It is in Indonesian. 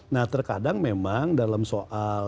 nah terkadang memang dalam soal